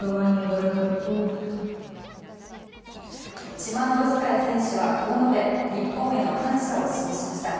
チマノウスカヤ選手はこう述べ日本への感謝を示しました。